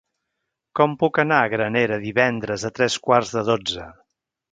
Com puc anar a Granera divendres a tres quarts de dotze?